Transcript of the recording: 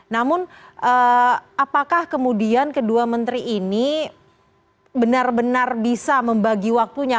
namun apakah kemudian kedua menteri ini benar benar bisa membagi waktunya